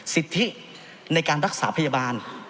สิทธิในการรักษาพยาบาล